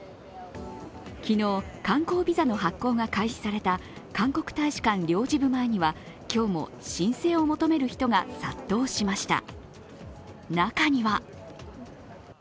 昨日、観光ビザの発行が開始された韓国大使館領事部前には今日も申請を求める人が殺到しました。